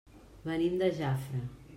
Venim de Jafre.